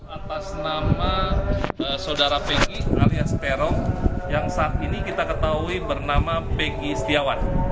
atas nama saudara pengki alias terong yang saat ini kita ketahui bernama peggy setiawan